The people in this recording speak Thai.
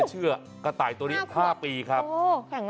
ชื่อกระต่ายตัวนี้๕ปีครับแข็งแรงวะ